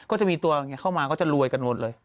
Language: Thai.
ก็จะมีตัวเข้ามาก็จะรวยกันหมดเลย